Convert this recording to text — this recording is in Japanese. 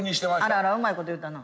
あらうまいこと言うたな。